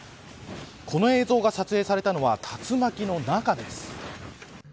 この映像が撮影されたのは竜巻の中です。